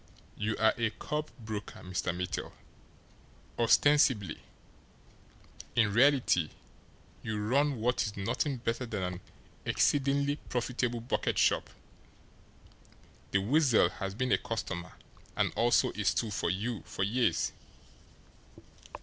You are a curb broker, Mr. Mittel ostensibly. In reality, you run what is nothing better than an exceedingly profitable bucket shop. The Weasel has been a customer and also a stool for you for years.